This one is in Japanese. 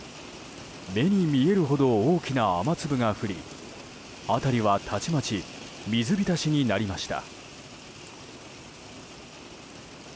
目に見えるほど大きな雨粒が降り辺りは、たちまち水浸しになりました。